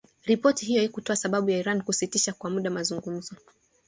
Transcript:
Ripoti hiyo haikutoa sababu ya Iran kusitisha kwa muda mazungumzo